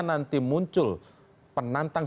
nanti muncul penantang